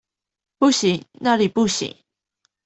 不行，那裡不行